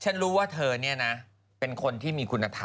ฉันรู้ว่าเธอเนี่ยนะเป็นคนที่มีคุณธรรม